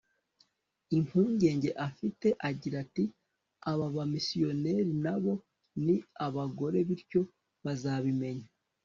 impungenge afite agira ati aba bamisiyoneri nabo ni abagore, bityo bazabimenya